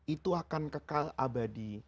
itu akan kekal abadi